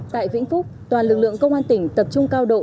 tại vĩnh phúc toàn lực lượng công an tỉnh tập trung cao độ